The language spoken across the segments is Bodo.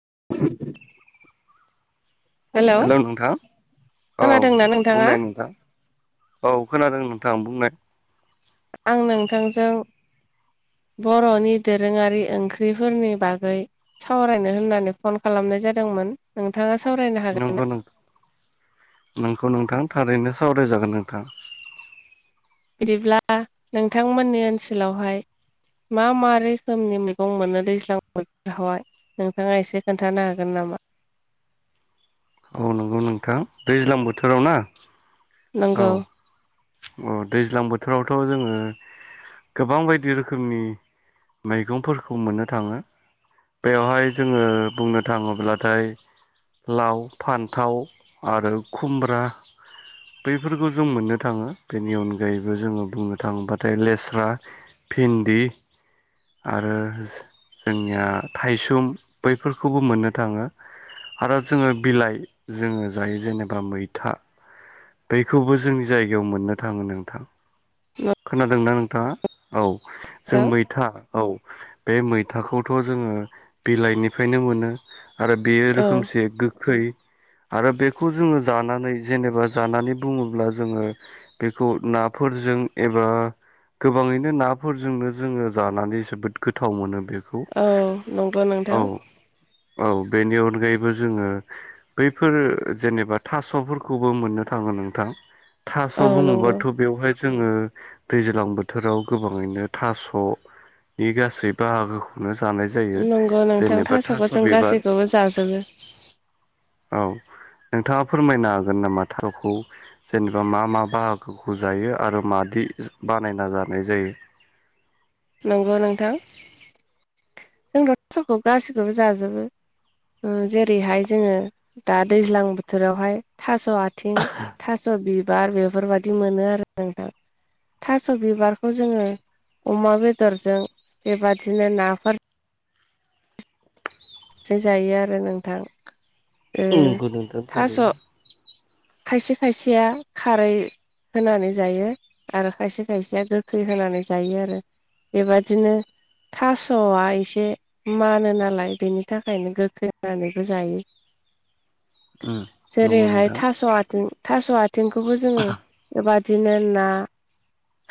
[unintelligible] हेलौ हेल' नोंथां औ खोनादोंना नोंथाङा बुंनाय नोंथां। औ खोनादों नोंथां बुंनाय। आं नोंथांजों बर'नि दोरोङारि ओंख्रिफोरनि बागै सावरायनो होननानै फन खालामनाय जादोंमोन। नोंथाङा सावरायनो हागोन नंगौ नों। नोंखौ नोंथां थारैनो सावरायजागोन नोंथां। बिदिब्ला नोंथांमोननि ओनसोलावहाय मा मा रोखोमनि मैगं मोनो दैज्लां बोथोरावहाय नोंथाङा एसे खोन्थानो हागोन नामा? [unintelligible] औ नंगौ नोंथां दैज्लां बोथोराव ना नंगौ। उम दैज्लां बोथोरावथ' जोङो गोबां बायदि रोखोमनि मैगंफोरखौ मोननो थाङो। बेवहाय जोङो बुंनो थाङोब्लाथाय लाव फान्थाव आरो खुमब्रा बैफोरखौ जों मोननो थाङो बेनि अनगायैबो जोङो बुंनो थाङोब्लाथाय लेस्रा भिन्दि। आरो जोंनिया थाइसुम बैफोरखौबो मोननो थाङो। आरो जोङो बिलाइ जोङो जायो जेनेबा मैथा बेखौबो जोंनि जायगायाव मोननो थाङो नोंथां। खोनादोंना नोंथाङा? औ जों नोंथां मैथा औ बे मै थाखौथ' जोङो बिलाइनिफ्रायनो मोनो आरो बेयो औ रोखोमसे गोखै आरो बेखौ जोङो जानानै जेनेबा जानानै बुङोब्ला जोङो बेखौ नाफोरजों एबा गोबाङैनो नाफोरजोंनो जोङो जानानै जोबोद गोथाव मोनो। बेखौ औ नंगौ नोंथां औ औ। बेनि अनगायैबो जोङो बैफोर जेनेबा थास'फोरखौबो मोननो थाङो नोंथां। थास' औ नंगौ बुङोबाथ' बेवहाय जोङो दैज्लां बोथोराव गोबाङैनो थास' बे गासै बाहागोखौनो जानाय जायो। नंगौ नोंथां जेनेबा थास'खौ थास' जों बिबार गासैखौबो जाजोबो औ नोंथाङा फोरमायनो हागोन नामा? थास'खौ जेनेबा मा मा बाहागोखौ जायो? आरो मादि बानायना जानाय जायो। नंगौ नोंथां। जों दा थास'खौ गासैखौबो जाजोबो। जेरैहाय जोङो दा दैज्लां बोथोरावहाय थास' आथिं थास' बिबार बेफोरबायदि मोनो आरो नोंथां। थास' बिबारखौ जोङो अमा बेदरजों बेबादिनो नाफोर जायो आरो नोंथां। ओ नंगौ नोंथां थास' थारैनो। खायसे खायसेया खारै होनानै जायो आरो खायसे खायसेया गोखै होनानै जायो आरो। बेबादिनो थास'आ एसे मानोनालाय बेनि थाखायनो गोखैहोनानैबो जायो। [inaudible] उम नंगौ जेरैहाय नोंथां। थास' आथिं थास' आथिंखौबो जोङो एबा बिदिनो ना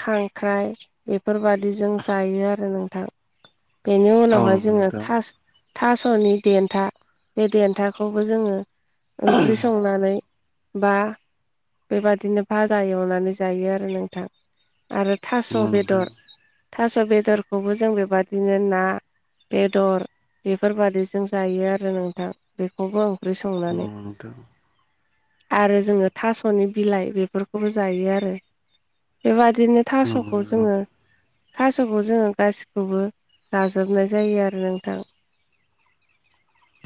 खांख्राइ बेफोरबायादिजों जायो आरो बेनि औ उनावहाय नंगौ जोङो नोंथां थास' थास'नि देन्था बे देन्थाखौबो जोङो ओंख्रि संनानै बा बेबादिनो भाजा एवनानै जायो आरो नोंथां। आरो थास' नंगौ बेदर नोंथां थास' बेदरखौबो जों बेबादिनो ना बेदर बेफोरबादिजों जायो आरो नोंथां बेखौबो। ओंख्रि संनानै नंगौ नोंथां। आरो जोङो थास'नि बिलाइ बेफोरखौबो जायो आरो। बेबादि नो नंगौ थास'खौ नोंथां। जोङो। थास'खौ जोङो गासिखौबो लाजोबनाय जायो आरो नोंथां।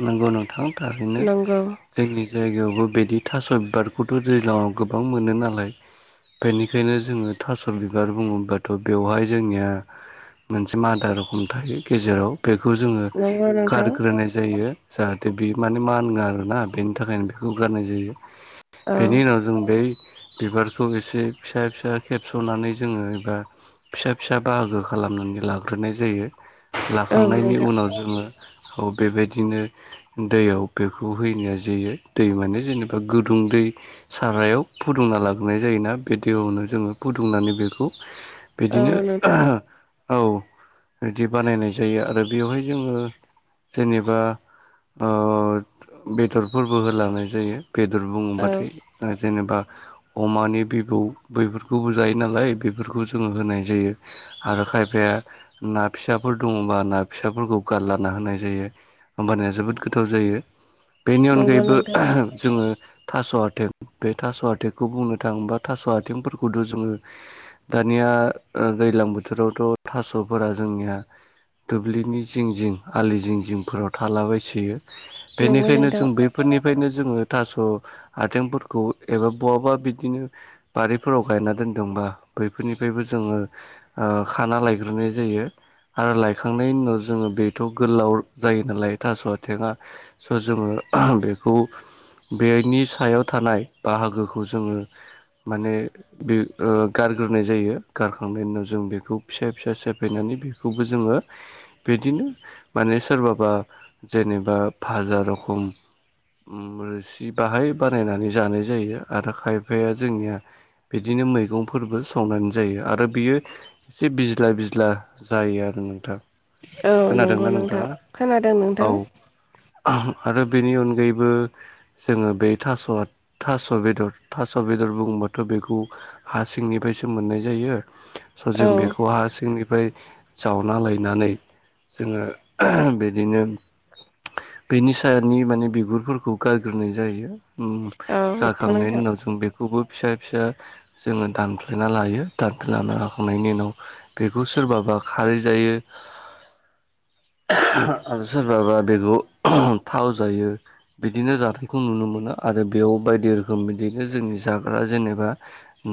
नंगौ नोंथांनि थारैनो नंगौ जोंनि जायगायावबो बिदि थास' बिबारखौथ' दैज्लाङाव गोबां मोनो नालाय। बेनिखायनो जोङो थास' बिबार बुङोबाथ' बेवहाय जोंनिया मोनसे मादा रखम थायो गेजेराव बेखौ जोङो नंगौ नोंथां गारग्रोनाय होयो जाहाथे बे माने मा होनो आरोना बेनि थाखायनो बेखौ गारनाय जायो। औ बेनि उनाव जों बै बिबारखौ एसे फिसा फिसा खेबस'नानै जोङो एबा फिसा फिसा बाहागो खालाम लांग्रोनाय जायो । औ लाखांनायनि नोंथां उनाव जोङो बेबायदिनो दैयाव बेखौ होनाया जायो दै माने जेनेबा गुदुं दै सारायाव फुदुंना लाग्रोनाय जायोना । बे दैेनो जोङो फुदुंनानै बेखौ औ बिदिनो नोंथां औ बिदि बानायनाय जायो । आरो बेवहाय जोङो जेनेबा बेदरफोरबो होलांनाय जायो। बेदर औ बुङोबाथाय जेनेबा अमानि बिबौ बैफोरखौबो जायो नालाय बेफोरखौ जोङो होनाय जायो आरो खायफाया ना फिसाफोर दङबा ना फिसाफोरखौ गारलाना होनाय जायो होमबानाया जोबोद गोथाव जायो बेनि नंगौ अनगायैबो नोंथां जोङो थास' आथिं बे थास' आटेंंखौ बुंनो थाङोबा थास' आथिंफोरखौथ' जोङो दा दानिया दैज्लां बोथोरावथ' थास'फोरा जोंनिया दुब्लिनि जिं जिं आलि जिं जिंफोराव थालाबायसोयो नंगौ बेनिखायनो नोंथां जों बैफोरनिफ्रायनो जोङो थास' आथिंफोरखौ एबा बहाबा बिदिनो बारिफोराव गायना दोनदोंबा बैफोरनिफ्रायबो जोङो ओ खाना लायग्रोनाय जायो आरो लायखांनायनि उनाव जोङो बेखौ गोलाव जायो नालाय थास' आथिंया स' जोङो बेखौ बेनि सायाव थानाय बाहागोखौ जोङो माने बे ओ गारग्रोनाय जायो गारखांनायनि उनाव जों बेखौ फिसा फिसा सेफायनानै बेखौबो जोङो बिदिनो माने सोरबाबा जेनेबा भाजा रोखोम ओम रोसि बाहाय बानायनानै जानाय जायो आरो खायफाया जोंनिया बिदिनो मैगंफोरबो संनानै जायो आरो बियो एसे बिज्ला बिज्ला जायो आरो नांथों औ नंगौ नोंथां खोनादों नोंथां औ आरो बेनि अनगायैबो जोङो बे थास'आ थास' बेदर थास' बे बेदर बुबाथाय बेखौ हा सिंनिफ्रायसो मोननाय जायो स' औ जों बेखौ हार सिंनिफ्राय जावना लायनानै जोङो बिदिनो बेनि सायनि माने बिगुरफोरखौ गारग्रोनाय जायो औ नंगौ गाखांनायनि नोंथां उनाव जों बेखौबो फिसा फिसा जोङो दानफ्लेना लायो दानफ्लायना लखांनायनि उनाव बेखौ सोरबाबो खारै जायो [inaudible] आरो सोरबाबा बेदर थाव जायो बिदिनो जानायखौ नुनो मोना आरो बेयाव बायदि रोखोम बिदिनो जोंनि जाग्रा जेनेबा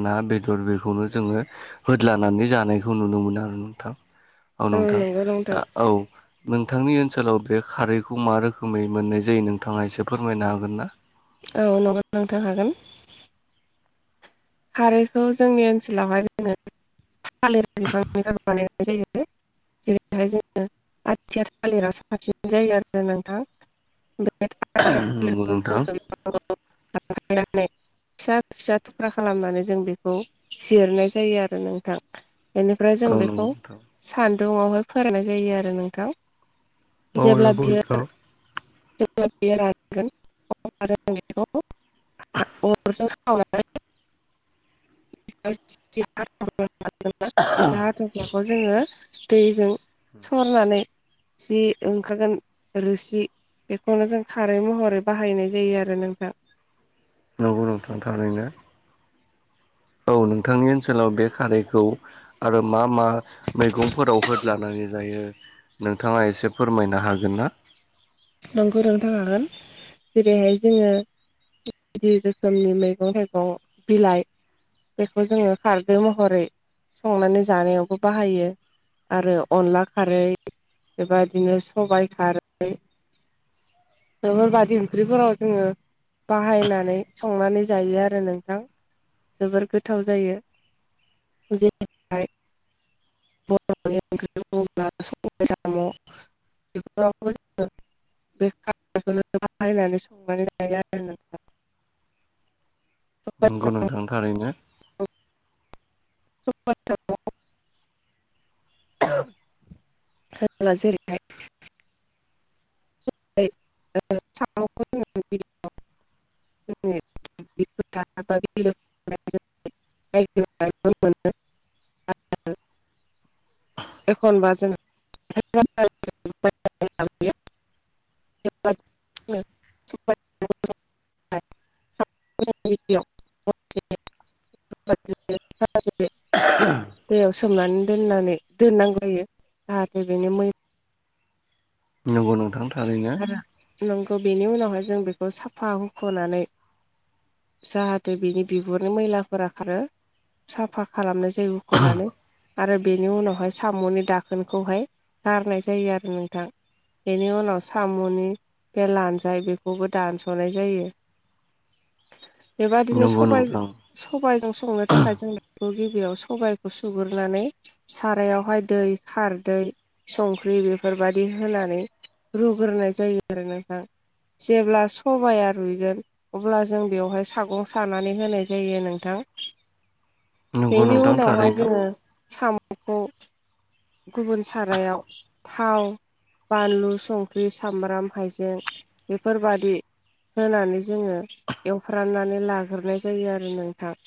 ना बेदर बेफोरखौनो जोङो होल्दानानै जानायखौ नुनो मोनो आरो नोंथां औ नोंथां नंगौ नोंथां औ नोंथांनि ओनसोलाव बे खारैखौ मा रोखोमै मोननाय जायो नोंथाङा एसे फोरमायनो हागोन ना औ नंगौ नांथों हागोन खारैखौ जोंनि ओनसोलावहाय जोङो थालिर बिफांनि [unintelligible] जेरैहाय जोङो आथिया थालिर साबसिन जायो आरो ना नोंथां नंगौ नोंथां [unintelligible] खालामनानै जों बेखौ जिरनाय जायो आरो नोंथां बेनिफ्राय औ जों नंगौ बेखौ नोंथां सान्दुंआवहाय फोराननाय जायो आरो नोंथां औ जेब्ला नंगौ बियो नोंथां जेब्ला बियो रानगोन अब्ला जों बिखौ अरजों सावनानै [unintelligible] [unintelligible] हाथुफ्लाखौ जोङो दैजों सरनानै जि ओंखारगोन रोसि बेखौनो जों खारै महरै बाहायनाय जायो आरो नोंथां नंगौ नोंथां थारैनो औ नोंथांनि ओनसोलाव बे खारैखौ आरो मा मा मैगंफोराव होदलानानै जायो नोंथाङा एसे फोरमायनो हागोन ना नंगौ नोंथां हागोन जेरैहाय जोङो बायदि रोखोमनि मैगं थाइगं बिलाइ बेखौ जोङो खारदै महरै संनानै जानायावबो बाहायो आरो अनला खारै बेबादिनो सबाइ खारै बेफोर बादि ओंख्रिफोराव जोङो बाहायनानै संनानै जायो आरो नोंथां जोबोर गोथाव जायो फुजिबाय बरनि ओंख्रि बुङोब्ला सबाइ सम बेफोरावबो जोङो बे खारैखौबो बाहायनानै संनानै लायो आरो नों नंगौ [inaudible] नोंथां थारैनो [unintelligible] हो ला जेरैहाय [unintelligible] [unintelligible] [unintelligible] एखनबा जों [unintelligible] [unintelligible] [unintelligible] [unintelligible] दैयाव सोमनानै दोननानै दोननांगौ जायो जाहाथे बेनि मै थां थानाय नोङा मैला नंगौ बेनि उनावहाय जों बेखौ साफा हुखनानै जाहाथे बिनि बिगुरनि मैलाफोरा खारो साफा खालामनाय जायो उखनानै आरो बेनि उनावहाय सामनि दाखोनखौहाय गारनाय जायो आरो नोंथां बेनि उनाव सामनि बे लान्जाय बेखौबो दानसनाय जायो [inaudible] बेबदिनो नंगौ सबाइ नोंथां सबायजों संनो थाखाय जों बेखौ गिबियाव सबाइखौ सुग्रोननानै सारायावहाय दै खारदै संख्रि बेफोरबादि होनानै रुग्रोनाय जायो आरो नोंथां जेब्ला सबाया रुइगोन अब्ला जों बेयावहाय सागं सानानै होनाय जायो नोंथां नंगौ बेनि नोंथां उनावहाय थारैनो जोङो सामखौ गुबुन सारायाव थाव बानलु संख्रि सामब्राम हाइजें बेफोरबादि होनानै जोङो एवफ्रामनानै लाग्रोनाय जायो आरो नोंथां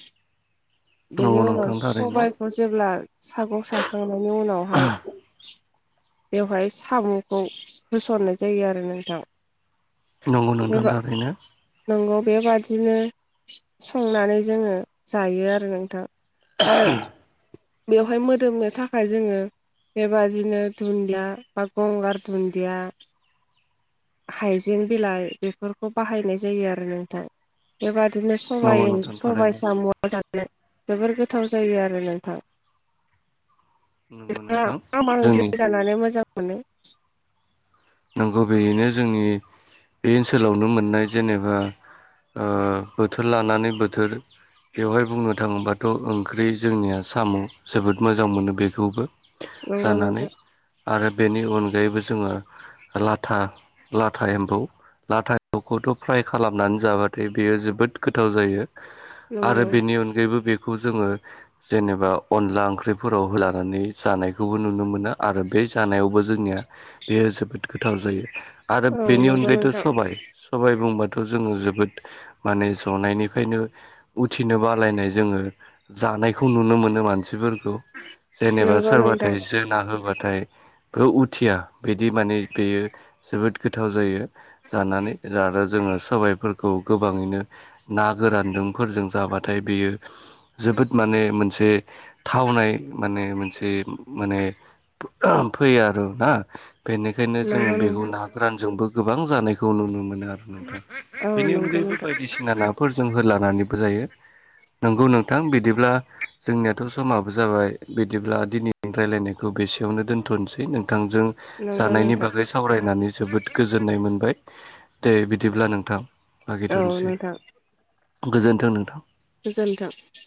बेनि नंगौ उनाव नोंथां थारैनो सबायखौ जेब्ला सागं साखांनायनि उनावहाय बेवहाय सामखौ होसननाय जायो आरो नोंथां नंगौ नोंथां बेबा थारैनो नंगौ बेबा दिनो संनानै जोङो जायो आरो नोंथां आरो बेवहाय मोदोमनो थाखाय जोङो बेबादिनो दुन्दिया बा गगार दुन्दिया हाइजें बिलाइ बेफोरखौ बाहायनाय जायो आरो नोंथां बेबा बिदिनो सबाय नंगौ ओं नोंथां सबाय थारैनो साम' जा जोबोर गोथाव जायो आरो नोंथां नंगौ नोंथां खौ जोंनि जानानै मोजां मोनो नंगौ बेयैनो जोंनि बे ओनसोलावनो मोननाय जेनेबा ओ बोथोर लानानै बोथोर बेवहाय बुंनो थाङोबाथ' ओंख्रि जोंनिया साम' जोबोद मोजां मोनो बेखौबो नंगौ जानानै नोंथां आरो बेनि अनगायैबो जोङो लाथा लाथा एम्फौ लाथावखौथ' फ्राय खालामनानै जाबाथाय बेयो जोबोद गोथाव जायो आरो नंगौ बेनि अनगायैबो बे जोङो जेनेबा अनला ओंख्रिफोराव होलानानै जानायखौबो नुनो मोनो आरो बे जानायावबो जोंनिया बेयो जोबोद गोथाव जायो आरो औ बेनि नंगौ अनगायैथ' नोंथां सबाइ सबाइ बुंबा जोङो जोबोद माने जनायनिफ्रायनो उथिनो बालायनाय जोङो जा नायखौ नुनो मोनो मानसिफोर खौ जेनेबा नंगौ नोंथां सोरबाथाय जोना होबाथायबो उथिया बिदि माने बेयो जोबोद गोथाव जायो जानानै आरो जोङो साबाइफोरखौ गोबाङैनो ना गोरानजों फोरजों जाबाथाय बेयो जोबोद माने मोनसे थावनाय माने मोनसे माने फैयो आरो ना बे निखायनो जोङो नंगौ बेखौ नोंथां ना गोरानजोंबो गोबां जानायखौ नुनो मोनो आरो नोंथां औ बेनि नंगौ अनगायैबो नोंथां बायदिसिना नाफोर जों होलानानैबो जायो [inaudible] नंगौ नोंथां बिदिब्ला जोंनियाथ' समाबो जाबाय बिदिब्ला दिनैनि रायलायनायखौ बेसे सेयावनो दोन्थ'नोसै नोंथांजों नंगौ जानायनि नोंथां बागै सावरायनानै जोबोद गोजोननाय मोनबाय दे बिदिब्ला नोंथां औ लागिथ'सै गोजोन्थों नोंथां गोजोनथों